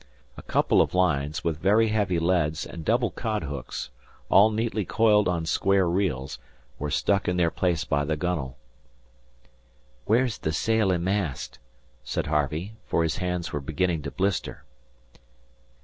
A couple of lines, with very heavy leads and double cod hooks, all neatly coiled on square reels, were stuck in their place by the gunwale. "Where's the sail and mast?" said Harvey, for his hands were beginning to blister.